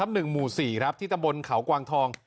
หมู่๔ที่ตำบลเขากวางทอง